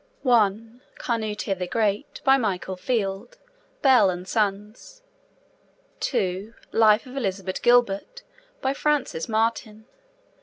(1) Canute the Great. By Michael Field. (Bell and Sons.) (2) Life of Elizabeth Gilbert. By Frances Martin.